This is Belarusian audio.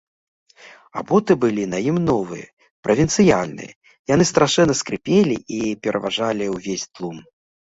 А боты былі на ім новыя, правінцыяльныя, яны страшэнна скрыпелі і пераважалі ўвесь тлум.